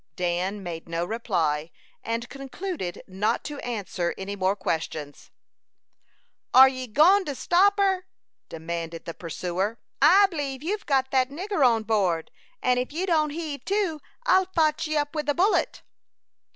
Dan made no reply, and concluded not to answer any more questions. "Are ye go'n to stop her?" demanded the pursuer. "I b'lieve you've got that nigger on board; and if ye don't heave to, I'll fotch ye up with a bullet."